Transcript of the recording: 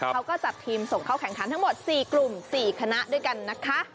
เขาก็จัดทีมส่งเข้าแข่งขันทั้งหมด๔กลุ่ม๔คณะด้วยกันนะคะ